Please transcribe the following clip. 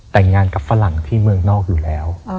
แต่งงานกับฝรั่งที่เมืองนอกอยู่แล้ว